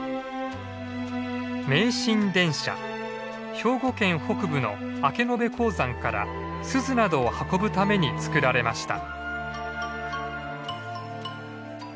兵庫県北部の明延鉱山からスズなどを運ぶために造られました。